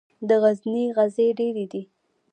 د غزني غزې ډیرې دي